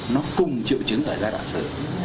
nó cùng triệu chứng ở giai đoạn sự